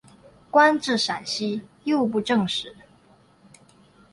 官至陕西右布政使。